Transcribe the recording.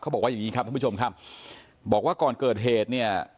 บอกว่าอย่างงี้ครับท่านผู้ชมครับบอกว่าก่อนเกิดเหตุเนี่ย